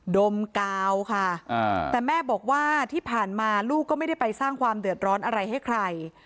ดมกาวค่ะแต่แม่บอกว่าที่ผ่านมาลูกก็ไม่ได้ไปสร้างความเดือดร้อนอะไรให้ใคร